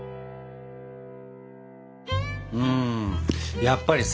うんやっぱりさ